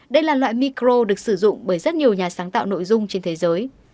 đây là loại micro được sử dụng bởi rất nhiều nhà sáng tạo nội dung trên thế giới